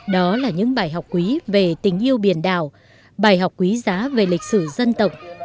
đó là những bài học quý về tình yêu biển đảo bài học quý giá về lịch sử dân tộc